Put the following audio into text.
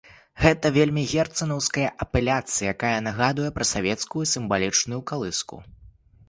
Гэта вельмі герцанаўская апеляцыя, якая нагадвае пра савецкую сімвалічную калыску.